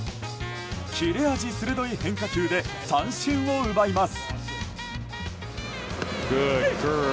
切れ味鋭い変化球で三振を奪います。